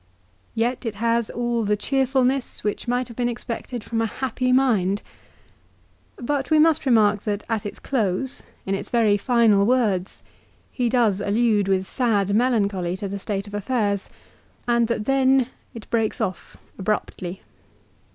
Yet it has all the cheerfulness which might have been expected from a happy mind. But we must remark that at its close, in its very final words, he does allude with sad melancholy to the state of affairs, and that then it breaks off abruptly.